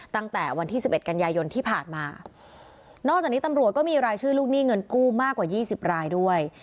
ตั้งแต่วันที่สิบเอ็ดกันยายนที่ผ่านมานอกจากนี้ตำรวจก็มีรายชื่อลูกหนี้เงินกู้มากกว่ายี่สิบรายด้วย